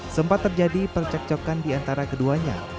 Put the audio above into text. sempat terjadi percekcokan di antara keduanya